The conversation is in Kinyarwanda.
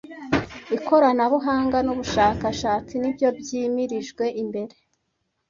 ikoranabuhanga nubushakashatsi nibyo byimirijwe imbere